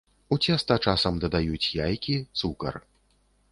У цеста часам дадаюць яйкі, цукар.